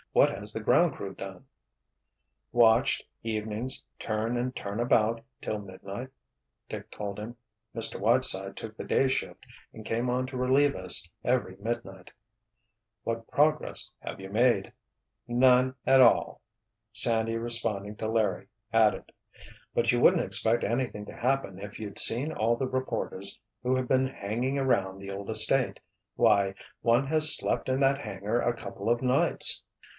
"What has the Ground Crew done?" "Watched, evenings, turn and turn about, till midnight," Dick told him. "Mr. Whiteside took the day shift and came on to relieve us every midnight." "What progress have you made?" "None at all!" Sandy, responding to Larry, added: "But you wouldn't expect anything to happen if you'd seen all the reporters who have been 'hanging around' the old estate. Why, one has slept in that hangar a couple of nights."